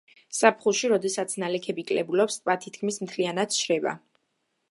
ზაფხულში, როდესაც ნალექები კლებულობს ტბა თითქმის მთლიანად შრება.